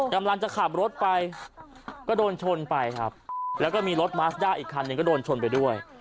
กำลังจะขับรถไปก็โดนชนไปครับแล้วก็มีรถมัสด้าอีกคันหนึ่งก็โดนชนไปด้วย